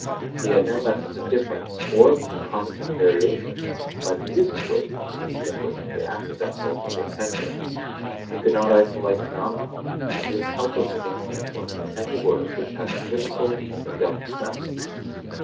He had no methods of difference or of concomitant variations, by the use of which he could distinguish the accidental from the essential. He could not isolate phenomena, and he was helpless against the influence of any word which had an equivocal or double sense.